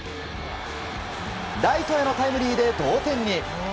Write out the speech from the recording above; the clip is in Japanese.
ライトへのタイムリーで同点に。